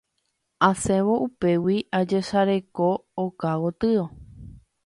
Asẽvo upégui ajesareko oka gotyo.